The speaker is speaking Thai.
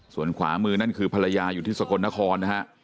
ส่วนขวามือนั่นคือภรรยาอยู่ที่สกลนครนะฮะ